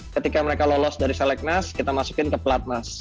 ketika mereka lolos dari select nas kita masukin ke plat nas